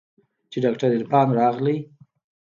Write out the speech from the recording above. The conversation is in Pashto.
چې ډاکتر عرفان راغى.